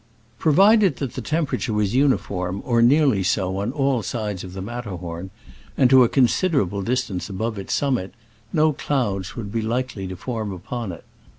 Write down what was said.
Provided that the temperature was uniform, or nearly so, on all sides of the Matterhorn, and to a considerable distance above its summit, no clouds would be likely to form upon it.